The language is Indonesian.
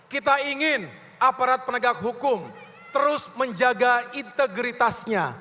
kita ingin aparat penegak hukum terus menjaga integritasnya